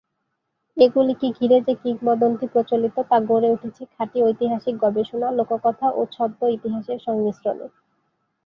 এগুলিকে ঘিরে যে কিংবদন্তি প্রচলিত, তা গড়ে উঠেছে খাঁটি ঐতিহাসিক গবেষণা, লোককথা ও ছদ্ম-ইতিহাসের সংমিশ্রণে।